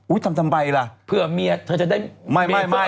อุ้ยทำทำใบล่ะเผื่อเมียเธอจะได้ไม่ไม่ไม่